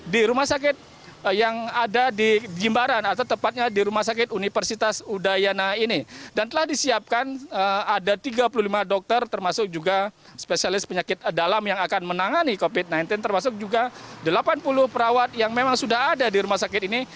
di rumah sakit yang ada di jimbaran atau tepatnya di rumah sakit universitas udayana ini dan telah disiapkan ada tiga puluh lima dokter termasuk juga spesialis penyakit dalam yang akan menangani covid sembilan belas termasuk juga delapan puluh perawat yang memang sudah ada di rumah sakit ini